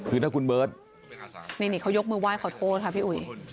คือถ้าคุณเบิร์ตนี่เขายกมือไห้ขอโทษค่ะพี่อุ๋ย